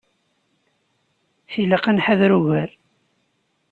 Tilaq ad nḥader ugar.